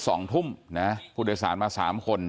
ศิลป์๖นผู้โดยสารมา๓คน